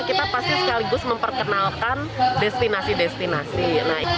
kita pasti sekaligus memperkenalkan destinasi destinasi